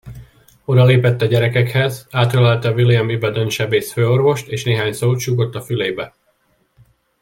Odalépett a gyerekekhez, átölelte William Ibadan sebész főorvost és néhány szót súgott a fülébe.